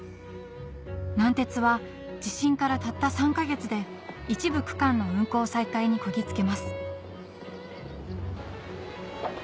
南鉄は地震からたった３か月で一部区間の運行再開にこぎ着けます